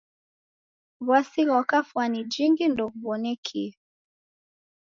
W'asi ghwa kafwani jingi ndeghuw'onekie.